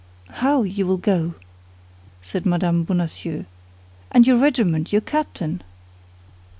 "How, you will go!" said Mme. Bonacieux; "and your regiment, your captain?"